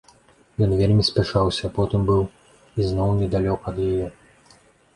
Ён вельмі спяшаўся, а потым быў ізноў недалёка ад яе.